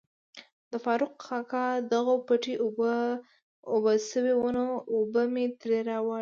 د فاروق کاکا دغو پټی اوبه شوای وو نو اوبه می تري واړولي.